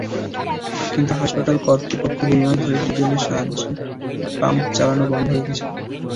কিন্তু হাসপাতাল কর্তৃপক্ষ দুই মাস ধরে ডিজেলের সাহায্যে পাম্প চালানো বন্ধ রেখেছে।